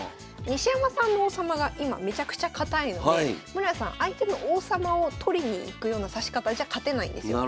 西山さんの王様が今めちゃくちゃ堅いので室谷さん相手の王様を取りに行くような指し方じゃ勝てないんですよ。